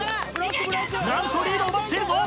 なんとリードを奪っているぞ！